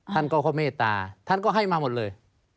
ท่านก็เมตตาท่านก็ให้มาหมดเลย